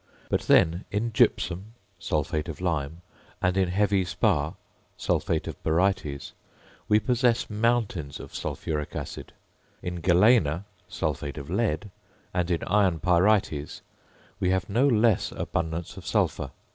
But then, in gypsum, (sulphate of lime), and in heavy spar, (sulphate of barytes), we possess mountains of sulphuric acid; in galena, (sulphate of lead), and in iron pyrites, we have no less abundance of sulphur.